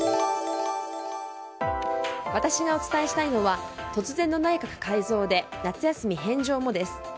私がお伝えしたいのは突然の内閣改造で夏休み返上も、です。